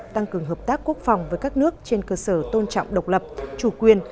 tăng cường hợp tác quốc phòng với các nước trên cơ sở tôn trọng độc lập chủ quyền